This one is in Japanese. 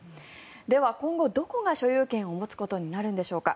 では今後、どこが所有権を持つことになるんでしょうか。